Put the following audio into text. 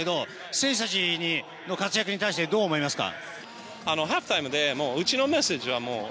選手たちの活躍についてどう思いますか。